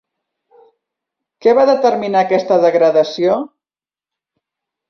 Què va determinar aquesta degradació?